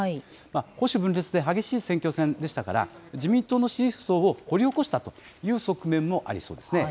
保守分裂で激しい選挙戦でしたから、自民党の支持層を掘り起こしたという側面もありそうですね。